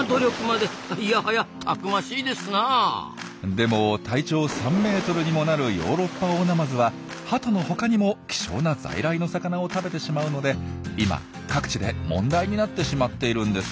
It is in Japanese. でも体長３メートルにもなるヨーロッパオオナマズはハトのほかにも希少な在来の魚を食べてしまうので今各地で問題になってしまっているんです。